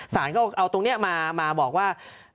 สารก็เอาตรงนี้มาบอกว่า